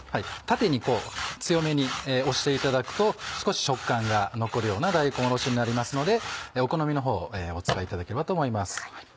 縦に強めに押していただくと少し食感が残るような大根おろしになりますのでお好みのほうをお使いいただければと思います。